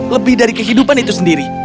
lebih dari kehidupan itu sendiri